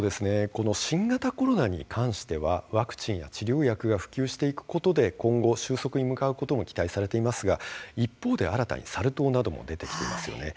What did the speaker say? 新型コロナに関してはワクチンや治療薬が普及していくことで今後、収束に向かうことが期待されていますが一方で新たにサル痘なども出てきていますよね。